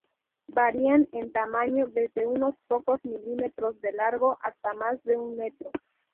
Varían en tamaño desde unos pocos milímetros de largo hasta más de un metro.